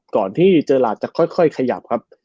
ก่อนเจอราชจะค่อยขยับ